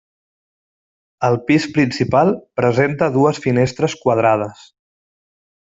El pis principal presenta dues finestres quadrades.